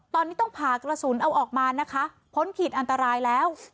ตอนนี้ต้องผ่ากระสุนเอาออกมานะคะพ้นขีดอันตรายแล้ว